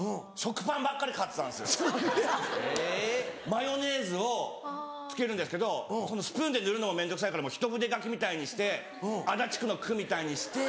マヨネーズをつけるんですけどスプーンで塗るのが面倒くさいからひと筆書きみたいにして足立区の区みたいにして。